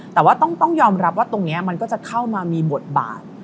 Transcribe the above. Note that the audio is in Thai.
แต่ว่าต้องยอมรับว่าตรงนี้มันก็จะเข้ามามีบทบาท